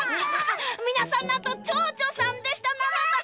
みなさんなんとちょうちょさんでしたなのだ！